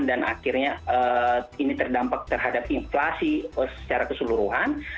dan akhirnya ini terdampak terhadap inflasi secara keseluruhan